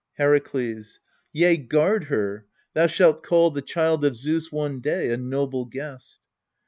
Herakles. Yea, guard her. Thou shalt call The child of Zeus one day a noble guest.